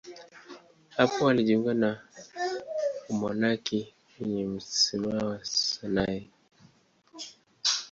Hapo alijiunga na umonaki kwenye mlima Sinai.